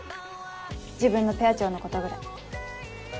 自分のペア長のことぐらい。